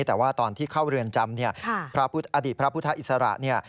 แต่ว่าตอนที่เข้าเรือนจำเนี่ยพระอดีตพระพุทธอิสระเนี่ย